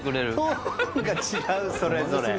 トーンが違う、それぞれ。